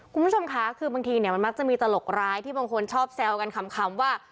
คุณผู้ชมคะคือบางทีเนี่ยมันมักจะมีตลกร้ายที่บางคนชอบแซวกันคำว่า